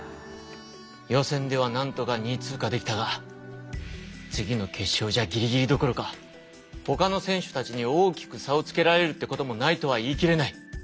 予選ではなんとか２位通過できたが次の決勝じゃギリギリどころかほかの選手たちに大きく差をつけられるってこともないとは言い切れない。